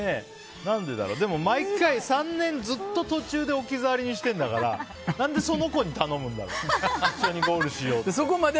でも毎回、３年ずっと途中で置き去りにしてるんだから何でその子に頼むんだろう。